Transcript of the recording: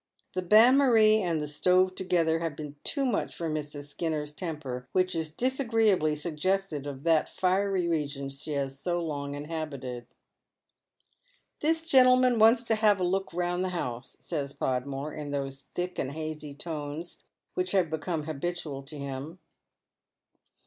The bain Marie and the stove together have been too much for Mrs. Skinner's temper, which is disagreeably suggestive of that fiery region she has so long inhabited. Thi9 gentleman warts to have a look round the house," Bay» 346 Dead MerCs Shoes. Podmore, in those thick and hazy tones which liaT« Decome habitual to him.